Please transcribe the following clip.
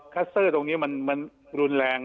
ัสเตอร์ตรงนี้มันรุนแรง